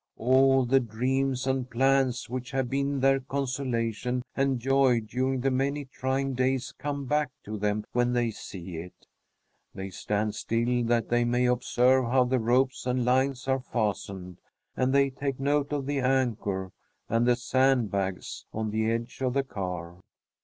All the dreams and plans which have been their consolation and joy during the many trying days come back to them when they see it. They stand still that they may observe how the ropes and lines are fastened; and they take note of the anchor and the sand bags on the edge of the car.